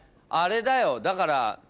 あれだよだから。